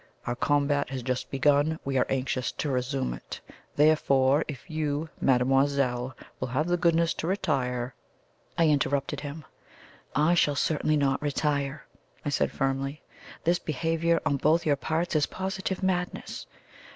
Our combat has just begun we are anxious to resume it; therefore if you, mademoiselle, will have the goodness to retire " I interrupted him. "I shall certainly not retire," I said firmly. "This behaviour on both your parts is positive madness.